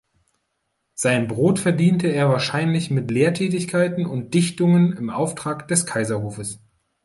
Sein Brot verdiente er wahrscheinlich mit Lehrtätigkeiten und Dichtungen im Auftrag des Kaiserhofes.